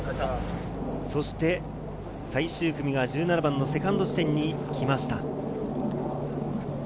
そして最終組が１７番のセカンド地点に来ました。